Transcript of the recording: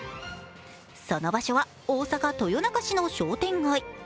その場所は、大阪・豊中市の商店街。